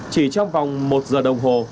chỉ trong vòng một giờ đồng hồ